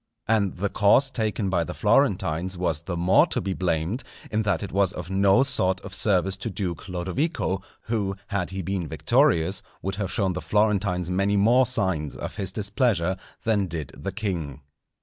And the course taken by the Florentines was the more to be blamed in that it was of no sort of service to Duke Lodovico, who, had he been victorious, would have shown the Florentines many more signs of his displeasure than did the king.